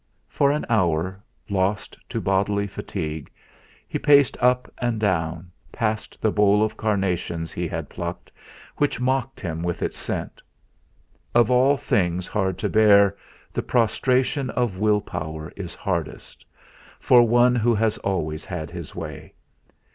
For an hour, lost to bodily fatigue, he paced up and down, past the bowl of carnations he had plucked, which mocked him with its scent. Of all things hard to bear, the prostration of will power is hardest, for one who has always had his way.